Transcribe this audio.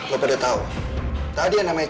lo pada tau tadi yang namanya